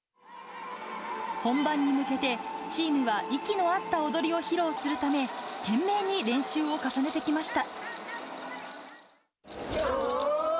本番に向けて、チームは息の合った踊りを披露するため、懸命に練習を重ねてきました。